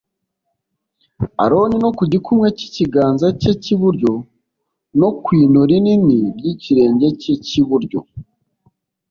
Aroni no ku gikumwe cy ikiganza cye cy iburyo no ku ino rinini ry ikirenge cye cy iburyo